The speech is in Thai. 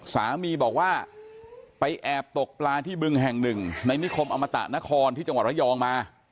สามีบอกว่าไปแอบตกปลาที่บึงแห่งหนึ่งในนิคมอมตะนครที่จังหวัดระยองมา